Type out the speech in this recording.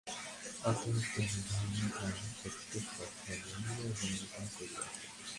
অতএব তুমি ধর্মপ্রমাণ প্রত্যেক রত্নের মূল্য নিরূপণ করিয়া দাও।